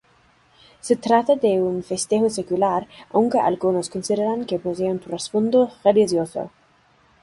Se trata de un festejo secular, aunque algunos consideran que posee un trasfondo religioso.